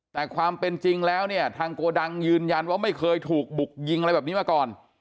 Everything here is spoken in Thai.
แต่ความเป็นจริงแล้วเนี่ยทางโกดังยืนยันว่าไม่เคยถูกบุกยิงอะไรแบบนี้มาก่อน